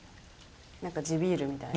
何か地ビールみたいな。